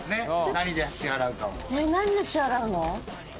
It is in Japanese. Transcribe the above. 何で支払うかを。